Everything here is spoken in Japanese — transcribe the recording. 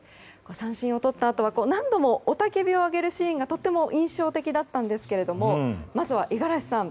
三振をとったあとは何度も雄たけびを上げるシーンがとても印象的でしたがまずは五十嵐さん